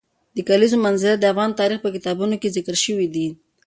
د کلیزو منظره د افغان تاریخ په کتابونو کې ذکر شوی دي.